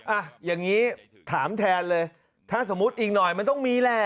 อ่ะอย่างนี้ถามแทนเลยถ้าสมมุติอีกหน่อยมันต้องมีแหละ